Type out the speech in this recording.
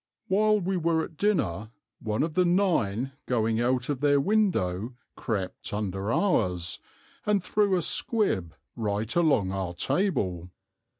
While we were at dinner, one of the nine going out of their window crept under ours, and threw a squib right along our table.